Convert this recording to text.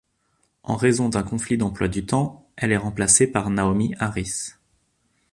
En raison d'un conflit d'emploi du temps, elle est remplacée par Naomie Harris.